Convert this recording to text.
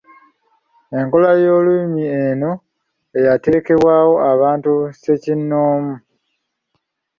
Enkola y’Olulimi eno eyateekebwawo abantu ssekinnoomu.